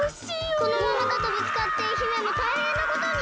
このままだとぶつかって姫もたいへんなことに！